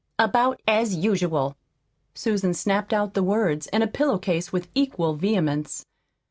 "About as usual." Susan snapped out the words and a pillow case with equal vehemence.